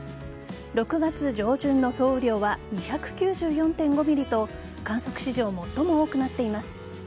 ６月上旬の総雨量は２９４．５ｍｍと観測史上、最も多くなっています。